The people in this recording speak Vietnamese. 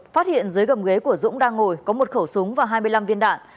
phát hiện dưới gầm ghế của dũng đang ngồi có một khẩu súng và hai mươi năm viên đạn